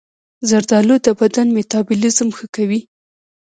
زردآلو د بدن میتابولیزم ښه کوي.